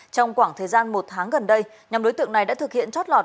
trong khoảng thời gian một tháng gần đây nhóm đối tượng này đã thực hiện chót lọt